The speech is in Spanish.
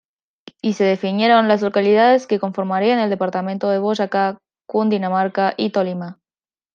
Y se definieron las localidades que conformarían el departamento de Boyacá, Cundinamarca y Tolima.